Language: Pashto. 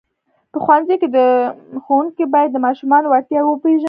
په ښوونځیو کې ښوونکي باید د ماشومانو وړتیاوې وپېژني.